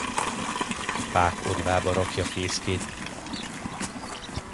Fák odvába rakja fészkét.